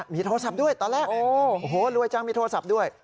มีโทรศัพท์ด้วยตอนแรกโอ้โหรวยจังมีโทรศัพท์ด้วย